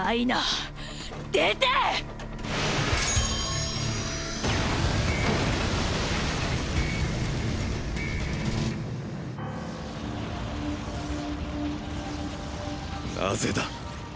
なぜだ？